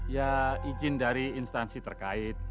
ya izin dari instansi terkait